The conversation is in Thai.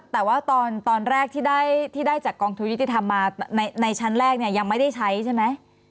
แต่ว่าตอนแรกที่ได้จากกองทุนยุติธรรมมาในชั้นแรกเนี่ยยังไม่ได้ใช้ใช่ไหม